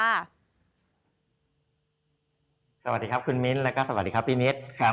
สวัสดีครับคุณมิ้นท์และสวัสดีครับพี่นิทร์